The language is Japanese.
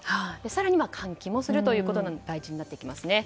更には換気もするということが大事になってきますね。